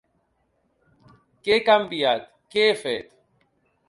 Què he canviat, què he fet?